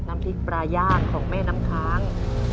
น้ำพริกปลาย่างของแม่น้ำค้าง